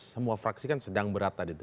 semua fraksi kan sedang berat tadi tuh